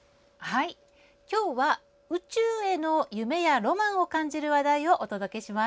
今日は宇宙への夢やロマンを感じる話題をお届けします。